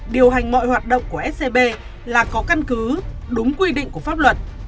điều hành mọi hoạt động của scb là có căn cứ đúng quy định của pháp luật